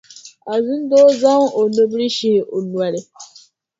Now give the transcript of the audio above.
Azindoo zaŋ o nubila shihi o noli.